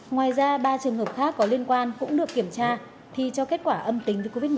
ngoài ra ba trường hợp khác có liên quan cũng được kiểm tra thì cho kết quả âm tính với covid một mươi chín